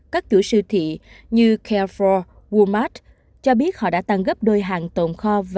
các chủ siêu thị như care for walmart cho biết họ đã tăng gấp đôi hàng tồn kho